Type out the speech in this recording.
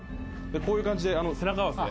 こういう感じで背中合わせで。